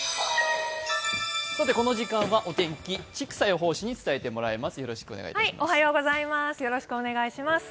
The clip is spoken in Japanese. この時間、千種予報士に伝えてもらいます。